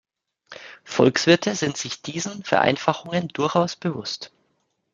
Volkswirte sind sich diesen Vereinfachungen durchaus bewusst.